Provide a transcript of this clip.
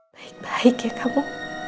baik baik ya kamu